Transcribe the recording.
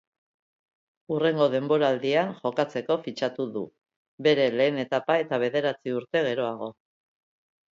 Hurrengo denboraldian jokatzeko fitxatu du, bere lehen etapa eta bederatzi urte geroago.